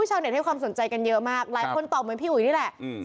ชาวเน็ตให้ความสนใจกันเยอะมากหลายคนตอบเหมือนพี่อุ๋ยนี่แหละ